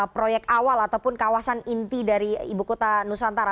proyek awal ataupun kawasan inti dari ibu kota nusantara